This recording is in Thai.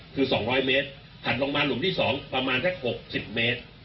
คือ๒๐๐เมตรถัดลงมาหลุมที่๒ประมาณสัก๖๐เมตร